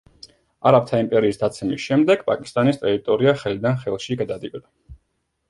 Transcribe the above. არაბთა იმპერიის დაცემის შემდეგ, პაკისტანის ტერიტორია ხელიდან ხელში გადადიოდა.